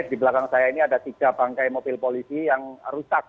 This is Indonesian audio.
di belakang saya ini ada tiga bangkai mobil polisi yang rusak